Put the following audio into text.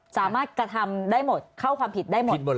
สามารถกระทำได้หมดเข้าความผิดได้หมด